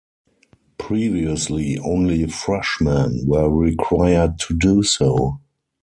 Previously only freshmen were required to do so.